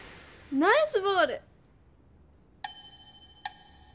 ナイスボール！